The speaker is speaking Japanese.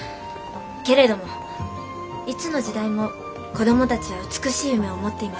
けれどもいつの時代も子どもたちは美しい夢を持っています。